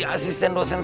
asisten dosen saya baik